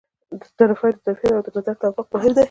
د طرفینو ظرفیت او د نظر توافق مهم دي.